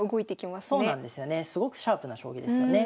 すごくシャープな将棋ですよね。